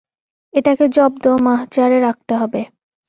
এটাকে জব্দ মাহজারে রাখতে হবে।